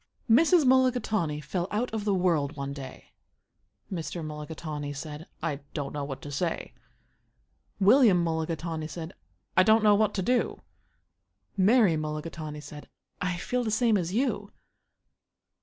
Mrs. Mulligatawny fell out of the world one day. Mr. Mulligatawny said, "I don't know what to say." William Mulligatawny said, "I don't know what to do." Mary Mulligatawny said, "I feel the same as you."